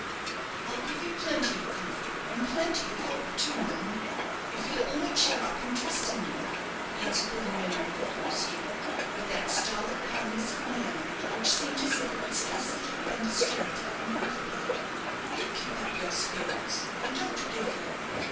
"I'll give you plenty of comfort, and plenty of hope, too, mum, if you'll only cheer up and trust in me," answered the luminary of Bow Street, with that stolid calmness of manner which seemed as if it would scarcely have been disturbed by an earthquake. "You keep up your spirits, and don't give way.